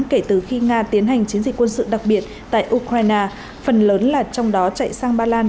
kể từ khi nga tiến hành chiến dịch quân sự đặc biệt tại ukraine phần lớn là trong đó chạy sang ba lan